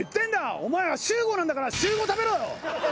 お前は「シュウゴ」なんだから週５食べろよ！